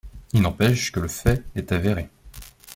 Il n’empêche que le fait est avéré.